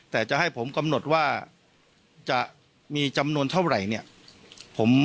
แต่จะให้ผมกำหนดว่าจะมีจำนวนเท่าไหร่เนี่ย